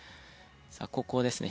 さあここですね。